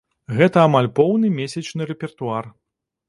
Гэта амаль поўны месячны рэпертуар.